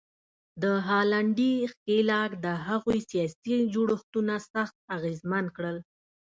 د هالنډي ښکېلاک د هغوی سیاسي جوړښتونه سخت اغېزمن کړل.